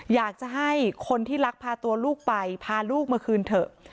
อยากจะให้คนที่ลักพาตัวลูกไปพาลูกมาคืนเถอะ